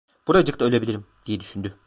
"Buracıkta ölebilirim!" diye düşündü.